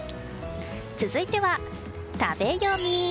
続いては食べヨミ。